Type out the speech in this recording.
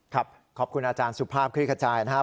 ครับขอบคุณอาจารย์สุภาพคลิกขจายนะครับ